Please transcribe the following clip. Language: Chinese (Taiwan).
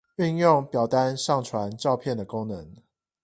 運用表單上傳照片的功能